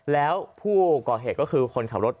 แล้วผู้ก่อเหตุก็คือคนขับรถ